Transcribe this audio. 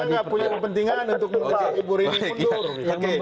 kita tidak punya kepentingan untuk memperbaiki ibu rini mundur